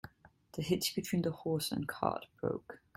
The hitch between the horse and cart broke.